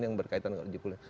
yang berkaitan dengan uji publik